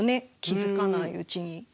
気付かないうちに。